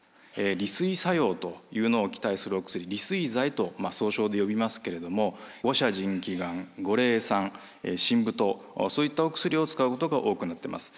利水作用というのを期待するお薬利水剤と総称で呼びますけれども牛車腎気丸五苓散真武湯そういったお薬を使うことが多くなってます。